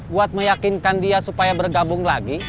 buat meyakinkan dia supaya bergabung lagi